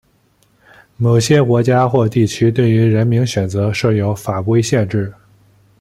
某些国家或地区对于人名选择设有法规限制。